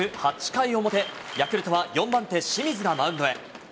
８回表、ヤクルトは４番手、清水がマウンドへ。